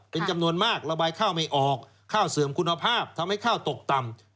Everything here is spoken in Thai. เป็นจำนวนมากระบายข้าวไม่ออกข้าวเสื่อมคุณภาพทำให้ข้าวตกต่ำ